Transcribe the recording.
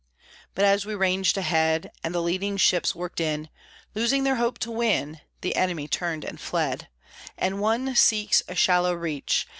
But as we ranged ahead, And the leading ships worked in, Losing their hope to win, The enemy turned and fled And one seeks a shallow reach!